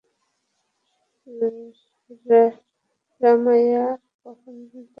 রাম্যায়া কখন পাগল হয়েছিল?